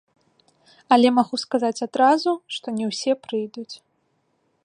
Але магу сказаць адразу, што не ўсе прыйдуць.